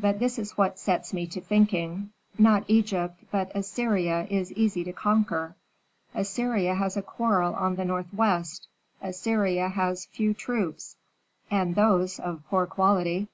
But this is what sets me to thinking: Not Egypt, but Assyria, is easy to conquer. Assyria has a quarrel on the northwest; Assyria has few troops, and those of poor quality.